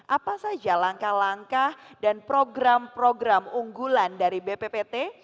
apa saja langkah langkah dan program program unggulan dari bppt